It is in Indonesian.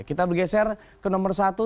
kita bergeser ke nomor satu